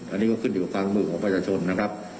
อันนี้ก็ขึ้นอยู่กับความร่วมมือของประชาชนนะครับ